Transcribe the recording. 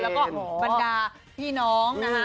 แล้วก็บรรดาพี่น้อง